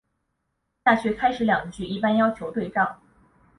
下阕开始两句一般要求对仗。